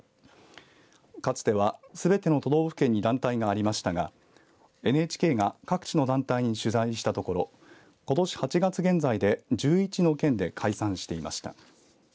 かつては、すべての都道府県に団体がありましたがＮＨＫが各地の団体に取材したところことし８月現在で１１の県で解散していました。